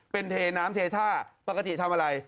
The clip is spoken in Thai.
เป็นเทน้ำเทท่าปกติทำอะไร